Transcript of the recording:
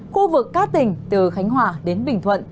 khu vực các tỉnh từ khánh hòa đến bình thuận